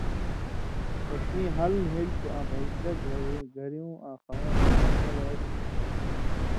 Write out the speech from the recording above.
تسیں حل نھېلیۡ تُھو آں بھژدہ، گھریُوں آں خوَن٘داں حقہ راڇھیۡ تُھو،